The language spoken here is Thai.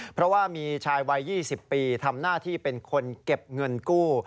เพราะว่ามีชายวัย๒๐ปีทำหน้าที่เป็นคนเก็บเงินกู้